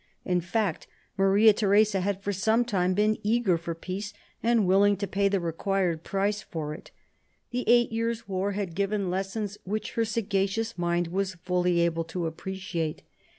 In fact Maria Theresa had for some time been eager for peace, and willing to pay the required price for it. The eight years' war had given lessons which her sagacious mind was fully able to appreciate.